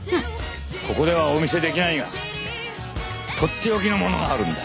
ここではお見せできないがとっておきのものがあるんだ。